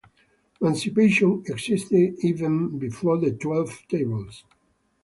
Mancipatio existed even before the Twelve Tables.